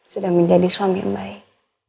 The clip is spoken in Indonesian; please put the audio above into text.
sudah menjadi suami yang baik